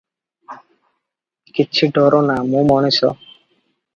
କିଛି ଡର ନାଁ- ମୁଁ ମଣିଷ ।